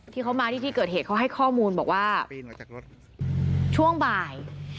ที่เขามาที่ที่เกิดเหตุเขาให้ข้อมูลบอกว่าช่วงบ่าย